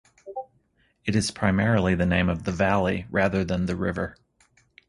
It is primarily the name of the valley rather than the river.